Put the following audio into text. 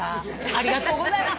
ありがとうございます。